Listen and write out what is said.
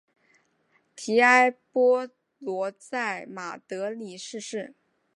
提埃坡罗在马德里逝世。